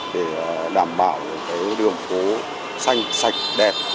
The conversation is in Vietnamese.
để đảm bảo đường phố xanh sạch đẹp